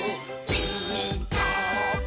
「ピーカーブ！」